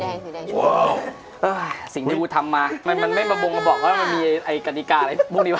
สิ่งที่กูทำมามันไม่มาบงมาบอกว่ามันมีไอ้กฎิกาอะไรพวกนี้ป